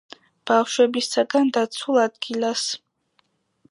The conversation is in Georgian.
ბავშვებისაგან დაცულ ადგილას.